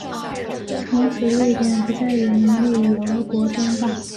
从此瑞典不再有能力与俄国争霸。